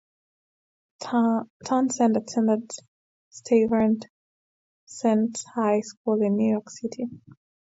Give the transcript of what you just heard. Townsend attended Stuyvesant High School in New York City.